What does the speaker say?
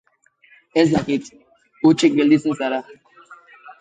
Ez dakit, hutsik gelditzen zara.